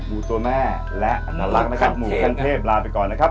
หมูตัวแม่และอัตลักษณ์นะครับหมู่ขั้นเทพลาไปก่อนนะครับ